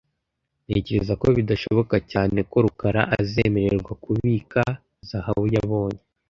Ntekereza ko bidashoboka cyane. ko rukara azemererwa kubika zahabu yabonye .